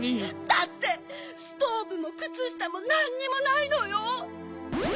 だってストーブもくつしたもなんにもないのよ！